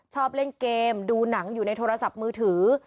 ชอบเล่นเกมดูหนังอยู่ในโทรศัพท์มือถือ